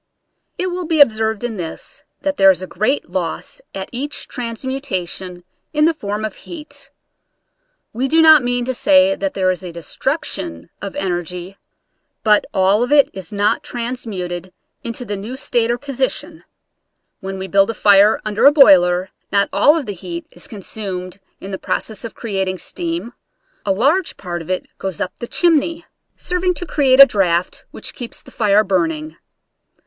It will be observed in this, that there is a great loss at each transmutation in the form of heat. We do not mean to say that there is a destruction of energy, but all of it is not transmuted into the new state or position. When we build a fire under a boiler not all Original from UNIVERSITY OF WISCONSIN transmutation ot Enerae. 4? of the heat is consumed in the process of creat ing steam — a large part of it goes up the chimney, serving to create a draft which keeps the fire burning.